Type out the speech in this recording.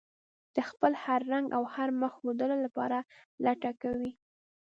د خپل هر رنګ او هر مخ ښودلو لپاره لټه کوي.